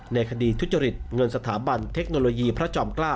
ในคดีทุจริตเงินสถาบันเทคโนโลยีพระจอม๙